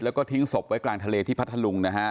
แล้วก็ทิ้งศพไว้กลางทะเลที่พัทธลุงนะฮะ